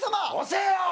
遅えよ！